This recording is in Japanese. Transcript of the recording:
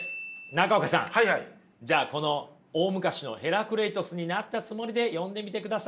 中岡さんじゃあこの大昔のヘラクレイトスになったつもりで読んでみてください。